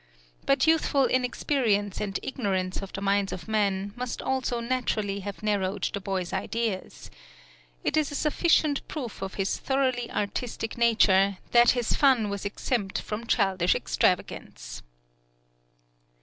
But youthful inexperience and ignorance of the minds of men must also naturally have narrowed the boy's ideas. It is a sufficient proof of his thoroughly artistic nature that his fun was exempt from childish extravagance.